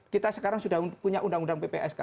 kita sekarang sudah punya undang undang ppsk